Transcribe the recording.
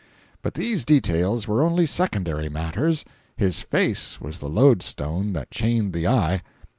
But these details were only secondary matters—his face was the lodestone that chained the eye.